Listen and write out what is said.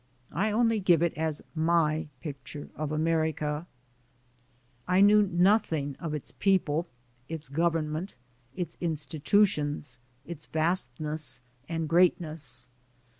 I only give it as my picture of America. I knew nothing of its people, its government, its institutions, its vast ness and greatness.